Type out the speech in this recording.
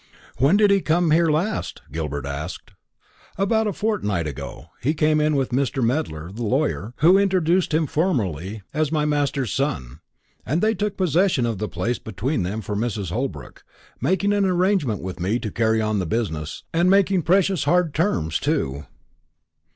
"When did he come here last?" asked Gilbert. "About a fortnight ago. He came with Mr. Medler, the lawyer, who introduced him formally as my master's son; and they took possession of the place between them for Mrs. Holbrook, making an arrangement with me to carry on the business, and making precious hard terms too."